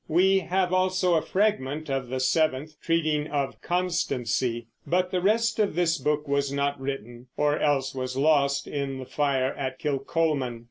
We have also a fragment of the seventh, treating of Constancy; but the rest of this book was not written, or else was lost in the fire at Kilcolman.